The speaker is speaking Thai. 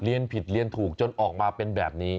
เรียนผิดเรียนถูกจนออกมาเป็นแบบนี้